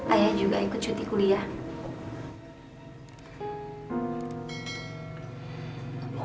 ayah juga ikut cuti kuliah